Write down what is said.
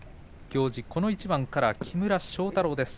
行司、この一番から木村庄太郎です。